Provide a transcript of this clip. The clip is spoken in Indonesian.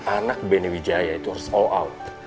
anak beni wijaya itu harus all out